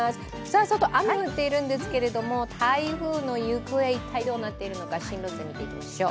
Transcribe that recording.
外、雨降っているんですけれども、台風の行方どうなっているのか、進路図、見ていきましょう。